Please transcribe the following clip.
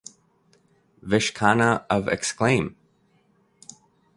Vish Khanna of Exclaim!